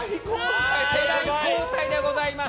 世代交代でございます！